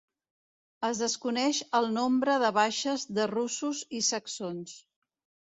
Es desconeix el nombre de baixes de russos i saxons.